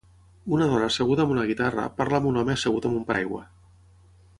Una dona asseguda amb una guitarra parla amb un home assegut amb un paraigua.